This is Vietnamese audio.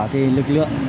thì lực lượng cảnh sát